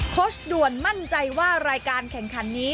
ชด่วนมั่นใจว่ารายการแข่งขันนี้